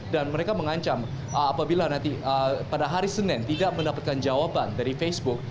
dan mereka mengancam apabila nanti pada hari senin tidak mendapatkan jawaban dari facebook